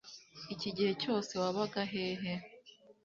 Iki gihe cyose wabaga hehe